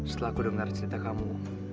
setelah aku dengar cerita kamu